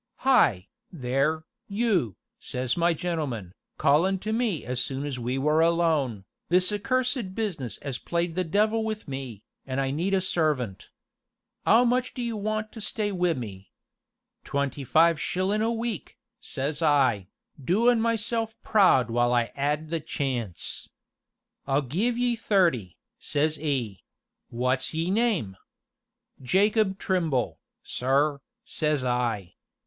'Hi, there, you,' says my gentleman, callin' to me as soon as we were alone, 'this accursed business 'as played the devil with me, an' I need a servant. 'Ow much do you want to stay wi' me?' 'Twenty five shillin' a week,' says I, doin' myself proud while I 'ad the chance. 'I'll give ye thirty,' says 'e; 'wot's ye name?' 'Jacob Trimble, sir,' says I.